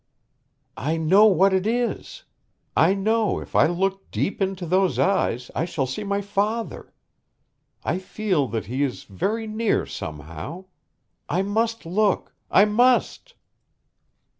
"I know what it is! I know if I look deep into those eyes I shall see my father. I feel that he is very near, somehow. I must look! I must!"